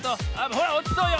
ほらおちそうよ。